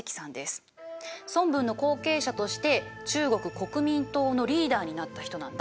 孫文の後継者として中国国民党のリーダーになった人なんだ。